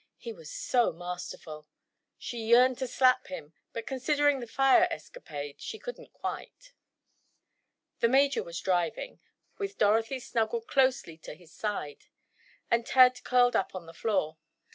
He was so masterful! She yearned to slap him, but considering the fire escapade, she couldn't, quite. The major was driving, with Dorothy snuggled closely to his side, and Ted curled up on the floor.